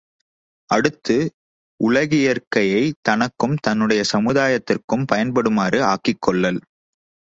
அடுத்து, உலகியற்கையைத் தனக்கும் தன்னுடைய சமுதாயத்திற்கும் பயன்படுமாறு ஆக்கிக் கொள்ளல்.